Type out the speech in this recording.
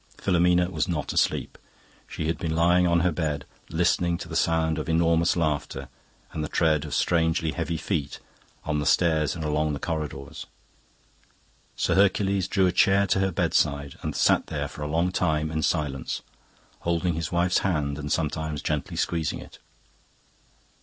Filomena was not asleep; she had been lying on her bed listening to the sound of enormous laughter and the tread of strangely heavy feet on the stairs and along the corridors. Sir Hercules drew a chair to her bedside and sat there for a long time in silence, holding his wife's hand and sometimes gently squeezing it.